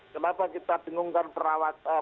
kenapa kita bengongkan merawat tanaman